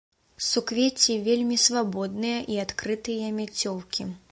Суквецці вельмі свабодныя і адкрытыя мяцёлкі.